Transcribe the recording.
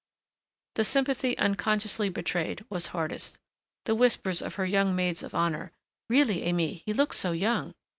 The sympathy unconsciously betrayed, was hardest. The whispers of her young maids of honor, "Really, Aimée, he looks so young!